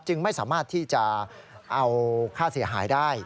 ไม่สามารถที่จะเอาค่าเสียหายได้